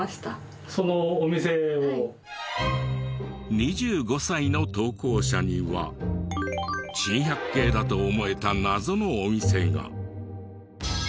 ２５歳の投稿者には珍百景だと思えた謎のお店が。